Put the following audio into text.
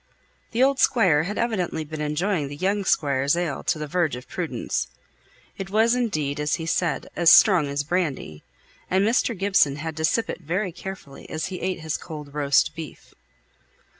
The old squire had evidently been enjoying the young squire's ale to the verge of prudence. It was indeed as he said, "as strong as brandy," and Mr. Gibson had to sip it very carefully as he ate his cold roast beef.